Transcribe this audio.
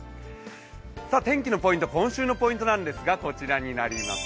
天気のポイント、今週のポイントなんですがこちらになります。